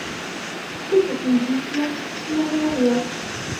أحب الإنجليزية أكثر من الرياضيات.